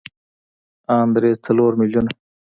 ان درې څلور ميليونه.